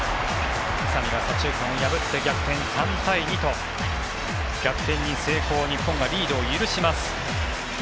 宇佐見が左中間を破って３対２と逆転に成功日本がリードを許します。